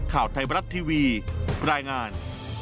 ข่าวไทยบรัฐทีวีรายงาน